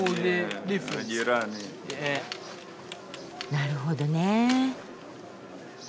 なるほどねえ。